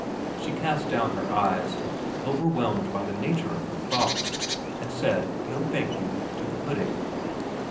She cast down her eyes, over whelmed by the nature of her thoughts, and said No thank you to the pudding.